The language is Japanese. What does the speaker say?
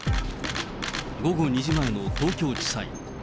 午後２時前の東京地裁。